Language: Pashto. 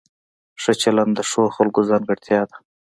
ښه چلند د ښو خلکو ځانګړتیا ده.